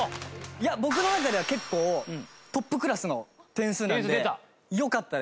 いや僕の中では結構トップクラスの点数なんでよかったです。